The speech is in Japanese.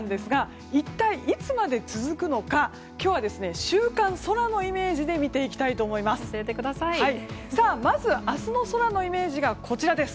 一体いつまで続くのか今日は週間、空のイメージで見ていきたいと思います。